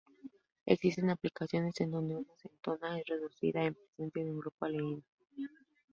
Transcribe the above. Existen aplicaciones en donde una cetona es reducida en presencia de un grupo aldehído.